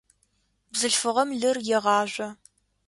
Бзылъфыгъэм лыр егъажъо.